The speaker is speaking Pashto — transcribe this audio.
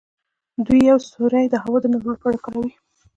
دوی یو سوری د هوا د ننوتلو لپاره ورکوي.